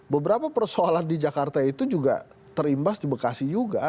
beberapa persoalan di jakarta itu juga terimbas di bekasi juga